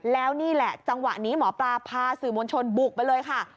แล้วนี่แหละจังหวะนี้หมอปลาพาสื่อมวลชนบุกไปเลยค่ะ